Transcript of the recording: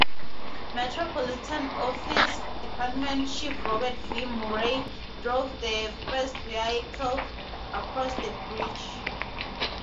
Metropolitan Police Department Chief Robert V. Murray drove the first vehicle across the bridge.